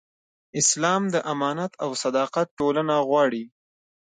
اسلام د امانت او صداقت ټولنه غواړي.